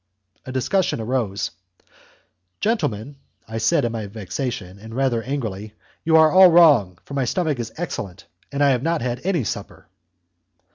A discussion arose. "Gentlemen," I said, in my vexation, and rather angrily, "you are all wrong, for my stomach is excellent, and I have not had any supper."